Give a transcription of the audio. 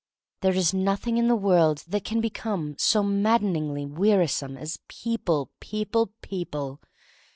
There is nothing in the world that Cein become so maddeningly wearisome as people, people, people!